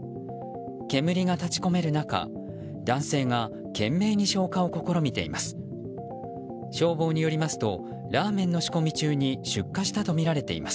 煙が立ち込める中、男性が懸命に消火を試みています。